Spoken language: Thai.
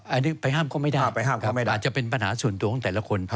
อันนี้ไปห้ามก็ไม่ได้อาจจะเป็นปัญหาส่วนตัวของแต่ละคน